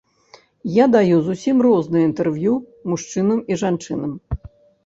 Я даю зусім розныя інтэрв'ю мужчынам і жанчынам.